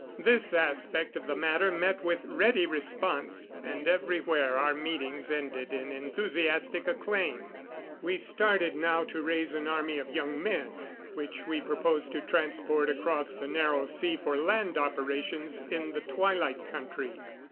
This aspect of the matter met with ready response, and everywhere our meetings ended in enthusiastic acclaim. We started now to raise an army of young men, which we proposed to transport across the Narrow Sea for land operations in the Twilight Country.